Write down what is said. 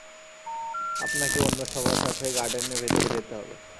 আপনাকে অন্য সবার সাথে গার্ডেনের ভেতরে যেতে হবে।